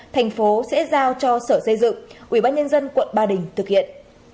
thành phố sẽ giao cho sở xây dựng ủy ban nhân dân quận ba đình thực hiện